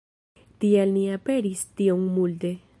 Tial ni aperis tiom multe.